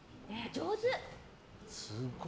上手！